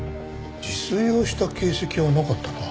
自炊をした形跡はなかったな。